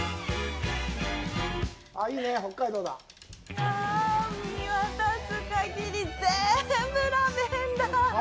いや、見渡す限りぜんぶラベンダー！